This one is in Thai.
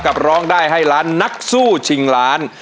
ร้องได้ให้ล้านนักสู้ชิงล้าน